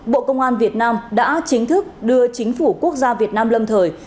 bộ công an việt nam đã chính thức đưa chính phủ quốc gia việt nam lâm thời